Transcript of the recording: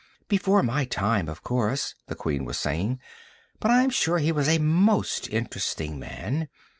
"Before my time, of course," the Queen was saying, "but I'm sure he was a most interesting man.